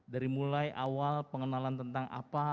dari mulai awal pengenalan tentang apa